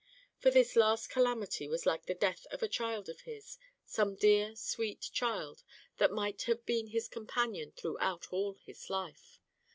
For this last calamity was like the death of a child of his, some dear, sweet child, that might have been his companion throughout all his life.